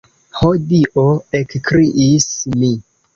Ho Dio! ekkriis mi.